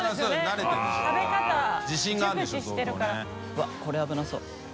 わっこれ危なそう。